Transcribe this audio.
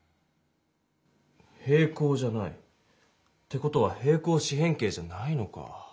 平行じゃない。って事は平行四辺形じゃないのか。